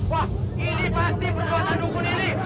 wah ini pasti perbuatan hukum ini